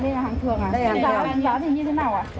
à đây là hàng thường à giá thì như thế nào ạ